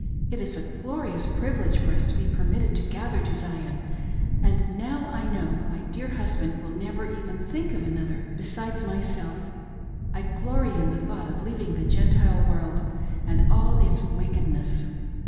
It is a glorious privilege for us to be permitted to gather to Zion, and now that I know my dear' husband will never even think of another besides myself, I glory in the thought of leaving the Gentile world and all its wickedness.